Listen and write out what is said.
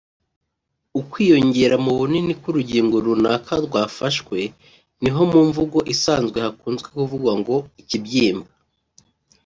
ukwiyongera mu bunini k’urugingo runaka rwafashwe (niho mu mvugo isanzwe hakunzwe kuvugwa ngo ikibyimba